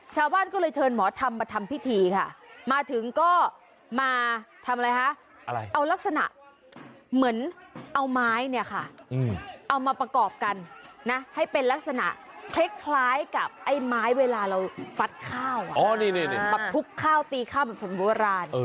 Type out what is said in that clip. ชาวบ้านก็เลยเชิญหมอธรรมมาทำพิธีค่ะมาถึงก็มาทำอะไรคะเอาลักษณะเหมือนเอาไม้เนี่ยค่ะเอามาประกอบกันนะให้เป็นลักษณะคล้ายกับไอ้ไม้เวลาเราฟัดข้าวแบบทุบข้าวตีข้าวแบบเหมือนโบราณ